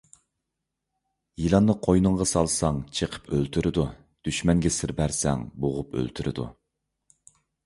يىلاننى قوينۇڭغا سالساڭ، چېقىپ ئۆلتۈرىدۇ، دۈشمەنگە سىر بەرسەڭ بوغۇپ ئۆلتۈرىدۇ.